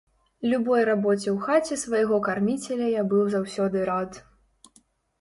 Любой рабоце ў хаце свайго карміцеля я быў заўсёды рад.